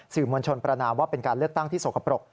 มวลชนประนามว่าเป็นการเลือกตั้งที่สกปรก